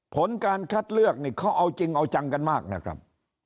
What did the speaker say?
ผลการคัดเลือกนี่เขาเอาจริงเอาจังกันมากนะครับ